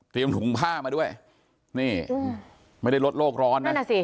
เตรียมหนุ่มผ้ามาด้วยนี่ไม่ได้รถโลกร้อนนะนั่นนะสิ